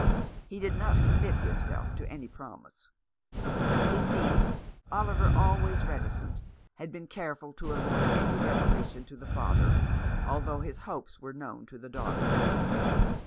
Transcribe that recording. He did not commit himself to any promise. Indeed, Oliver, always reticent, had been careful to avoid any revelation to the father, although his hopes were known to the daughter.